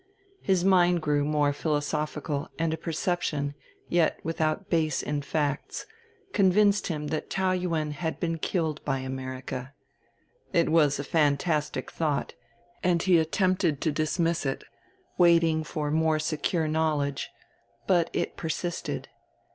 His mind grew more philosophical and a perception, yet without base in facts, convinced him that Taou Yuen had been killed by America. It was a fantastic thought, and he attempted to dismiss it, waiting for more secure knowledge, but it persisted.